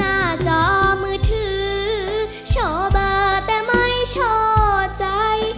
หน้าจอมือถือชอบแต่ไม่ชอบใจ